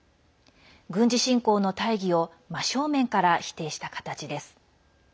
軍事侵攻の大儀を真正面から否定した形です。